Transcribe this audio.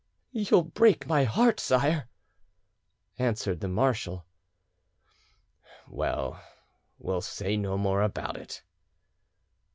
"You'll break my heart, sire!" answered the marshal. "Well, we'll say no more about it.